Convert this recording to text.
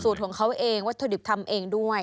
ของเขาเองวัตถุดิบทำเองด้วย